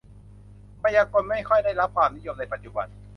มายากล ไม่ค่อยได้รับความนิยมในปัจจุบัน